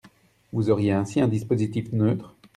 Vous auriez ainsi un dispositif neutre.